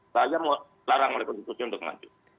saya mau larang oleh konstitusi untuk maju